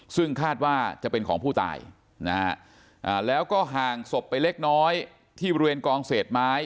ซึ่งคาดว่าจะเป็นของผู้ตายนะฮะแล้วก็ห่างศพไปเล็กน้อยที่บริเวณกองเศษไม้